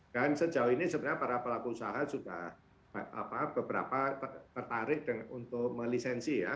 dan sejauh ini sebenarnya para pelaku usaha sudah beberapa tertarik untuk melisensi ya